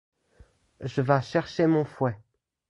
Je vas chercher mon fouet.